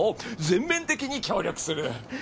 全面的に協力する。